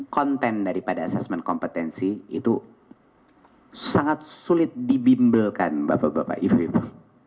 konten daripada assessment kompetensi itu sangat sulit dibimbelkan bapak bapak itu